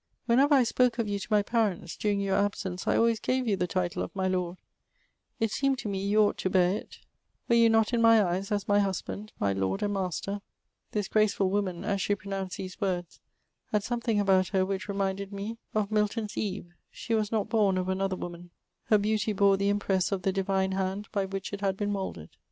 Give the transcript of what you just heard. Whenever I' spoke of you to my parents, during your ab sence, I always gave you the title of my Lord, It seemed to me you ought to bear it : were you not in my eyes as my husband, my lord and master f*' This graceful woman, as she pronounced these words, had something about her which re minded me of Milton's Eve ; she was not bom of another woman ; her beauty bore the impress of the divine hand by which it had been moulded.